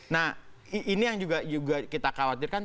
nah ini yang juga kita khawatirkan